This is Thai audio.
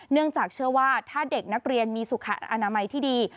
เนื่องจากเชื่อว่าถ้าเด็กนักเรียนมีสุขอนามัยที่ดี